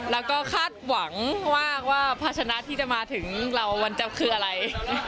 แล้วก็คาดหวังว่าภาชนะที่จะมาถึงเรามันจะคืออะไร